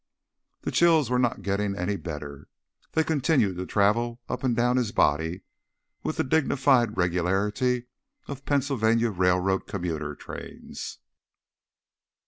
The chills were not getting any better. They continued to travel up and down his body with the dignified regularity of Pennsylvania Railroad commuter trains.